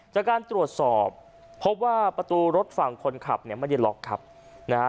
จากการตรวจสอบพบว่าประตูรถฝั่งคนขับเนี่ยไม่ได้ล็อกครับนะฮะ